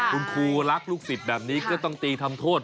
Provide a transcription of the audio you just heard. คุณครูรักลูกศิษย์แบบนี้ก็ต้องตีทำโทษ